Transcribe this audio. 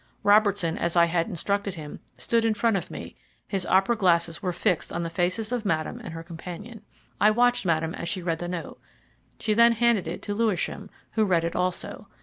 Robertson, as I had instructed him, stood in front of me his opera glasses were fixed on the faces of Madame and her companion. I watched Madame as she read the note; she then handed it to Lewisham, who read it also.